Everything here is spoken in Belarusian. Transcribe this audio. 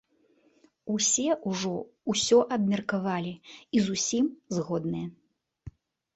Усе ўжо ўсё абмеркавалі і з усім згодныя.